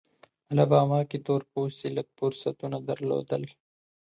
الاباما کې تور پوستي لږ فرصتونه درلودل.